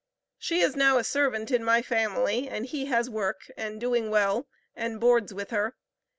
She is now a servant in my family, and he has work, and doing well, and boards with her.